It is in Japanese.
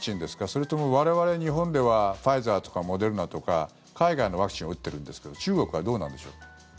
それとも我々、日本ではファイザーとかモデルナとか海外のワクチンを打っているんですけど中国はどうなんでしょう？